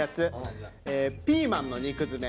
「ピーマンの肉詰め」。